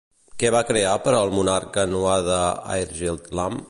Què va crear per al monarca Nuada Airgetlám?